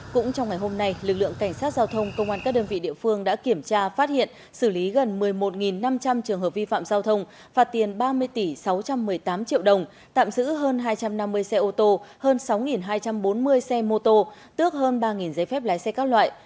cũng trong ngày hôm nay lực lượng cảnh sát giao thông công an các đơn vị địa phương đã kiểm tra phát hiện xử lý gần một mươi một năm trăm linh trường hợp vi phạm giao thông phạt tiền ba mươi tỷ sáu trăm một mươi tám triệu đồng tạm giữ hơn hai trăm năm mươi xe ô tô hơn sáu hai trăm bốn mươi xe mô tô tước hơn ba giấy phép lái xe các loại